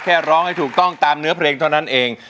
ร้องให้ถูกต้องตามเนื้อเพลงเท่านั้นเอง